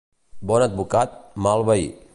Bon advocat, mal veí.